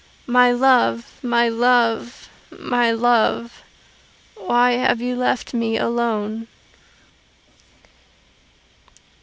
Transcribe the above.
My love, my love, my love, why have you left me alone?